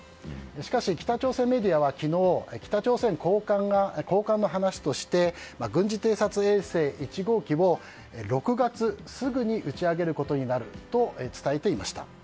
しかし、北朝鮮メディアは昨日北朝鮮高官の話として軍事偵察衛星１号機を、６月すぐに打ち上げることになると伝えていました。